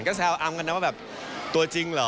ก็แซวอำกันนะว่าแบบตัวจริงเหรอ